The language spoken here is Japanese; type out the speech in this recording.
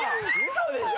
嘘でしょ